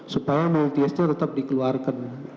supaya multiesnya tetap dikeluarkan